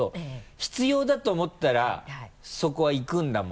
必要だと思ったらそこはいくんだもんね。